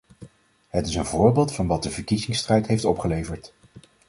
Het is een voorbeeld van wat de verkiezingsstrijd heeft opgeleverd.